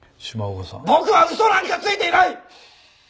僕は嘘なんかついていない！！